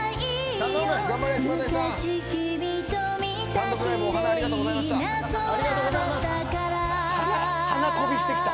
単独ライブお花、ありがとうございました。